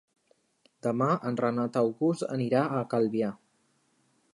Demà en Renat August anirà a Calvià.